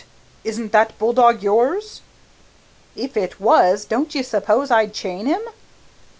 Isn't that bull dog yours?" "If it was, don't you suppose I'd chain him?"